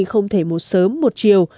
không thể một sớm một chiều